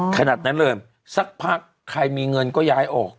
ขนาดนั้นเลยสักพักใครมีเงินก็ย้ายออก